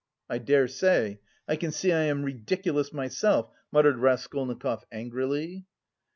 "I dare say. I can see I am ridiculous myself," muttered Raskolnikov angrily.